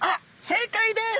正解です。